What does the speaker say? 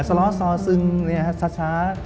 สล้อซอซึงเนี่ยช้า